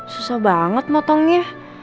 susah banget motongnya